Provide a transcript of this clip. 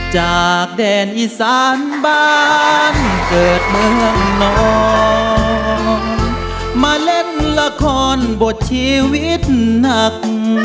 จากแดนอีสานบ้านเกิดเมืองน้องมาเล่นละครบทชีวิตหนัก